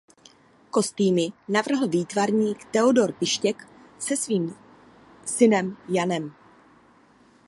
Kostýmy navrhl výtvarník Theodor Pištěk se svým synem Janem.